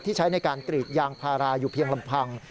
ใช้ในการกรีดยางพาราอยู่เพียงลำพัง